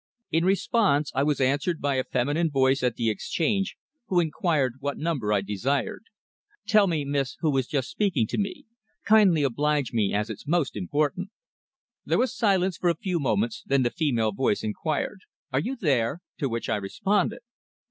In response I was answered by a feminine voice at the Exchange, who inquired what number I desired. "Tell me, miss, who has just been speaking to me. Kindly oblige me, as it's most important." There was silence for a few moments, then the female voice inquired "Are you there?" to which I responded.